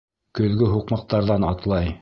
...Көҙгө һуҡмаҡтарҙан атлай